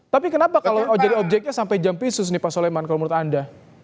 tapi kenapa kalau jadi objeknya sampai jam pisus nih pak soleman kalau menurut anda